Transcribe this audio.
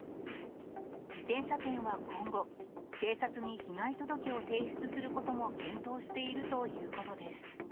自転車店は今後、警察に被害届を提出することも検討しているということです。